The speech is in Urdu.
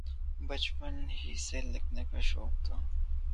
بچپن ہی سے لکھنے کا شوق تھا۔